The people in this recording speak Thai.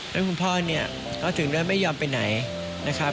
แล้วคุณพ่อเนี่ยก็ถึงได้ไม่ยอมไปไหนนะครับ